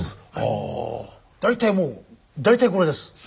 大体もう大体これです。